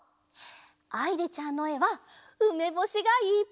あいりちゃんのえはうめぼしがいっぱい！